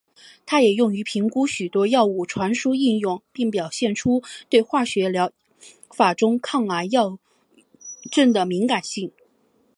它也用于评估许多药物传输应用并表现出对化学疗法中抗药癌症的敏感性。